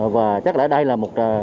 và chắc là đây là một